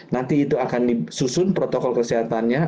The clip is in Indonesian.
nanti itu akan disusun protokol kesehatannya